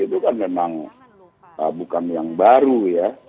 itu kan memang bukan yang baru ya